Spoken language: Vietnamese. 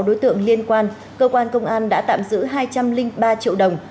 đối tượng liên quan cơ quan công an đã tạm giữ hai trăm linh ba triệu đồng